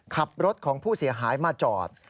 ขับรถของผู้เสียหายมาจอด